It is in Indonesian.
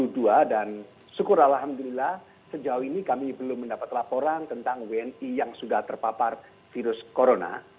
dan syukur alhamdulillah sejauh ini kami belum mendapat laporan tentang wni yang sudah terpapar virus corona